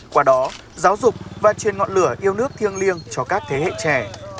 qua đó giáo dục và truyền ngọn lửa yêu nước thiêng liêng cho các thế hệ trẻ